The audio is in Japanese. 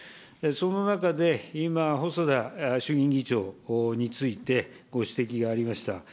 その中で、今、細田衆議院議長についてご指摘がありました。